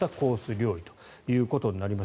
料理ということになります。